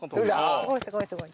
すごいすごいすごい。